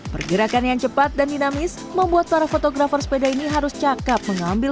pergerakan yang cepat dan dinamis membuat para fotografer sepeda ini harus cakep mengambil